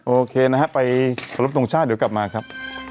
โอเคนะฮะไปขอรบทรงชาติเดี๋ยวกลับมาครับ